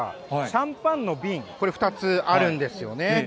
シャンパンの瓶、これ２つあるんですよね。